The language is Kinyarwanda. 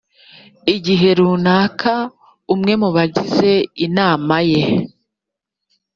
gihe runaka umwe mu bagize inama ye